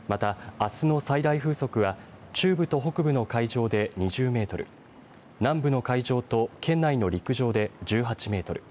あすの最大風速は中部と北部の海上で２０メートル南部の海上と県内の陸上で１８メートル